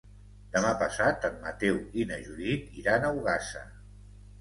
Demà passat en Mateu i na Judit iran a Ogassa.